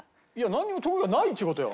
なんにも得意がないっちゅう事よ。